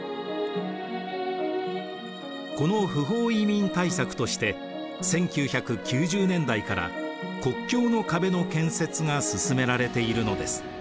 この不法移民対策として１９９０年代から国境の壁の建設が進められているのです。